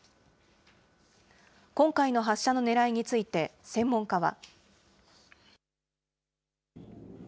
今回の発射のねらいについて専門家は。